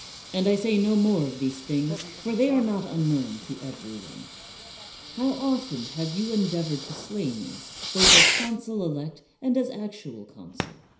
And I say no more of these things, for the are not unknown to every one. How often have you endeavored to slay me, both as consul elect and as actual consul?